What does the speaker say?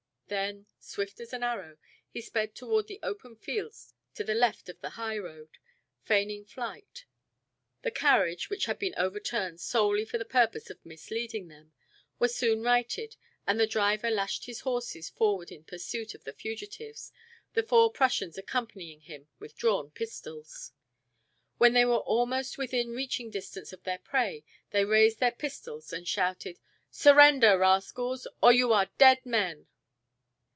Then, swift as an arrow, he sped toward the open fields to the left of the highroad, feigning flight. The carriage, which had been overturned solely for the purpose of misleading them, was soon righted and the driver lashed his horses forward in pursuit of the fugitives, the four Prussians accompanying him with drawn pistols. When they were almost within reaching distance of their prey they raised their pistols and shouted: "Surrender, rascals, or you are dead men!"